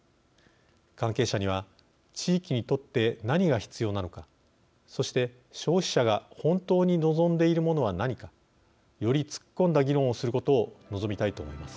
関係者には、地域にとって何が必要なのかそして、消費者が本当に望んでいるものは何かより突っ込んだ議論をすることを望みたいと思います。